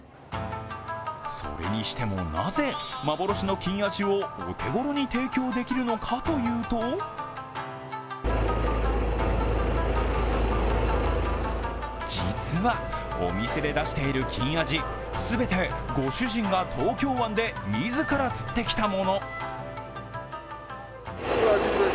それにしても、なぜ幻の金アジをお手頃に提供できるかというと実は、お店で出している金アジ全て、御主人が東京湾で自ら釣ってきたもの。